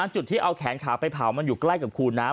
จุดที่เอาแขนขาไปเผามันอยู่ใกล้กับคูน้ำ